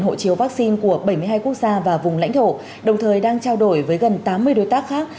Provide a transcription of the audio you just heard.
hộ chiếu vaccine của bảy mươi hai quốc gia và vùng lãnh thổ đồng thời đang trao đổi với gần tám mươi đối tác khác